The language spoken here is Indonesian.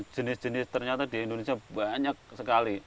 jenis jenis ternyata di indonesia banyak sekali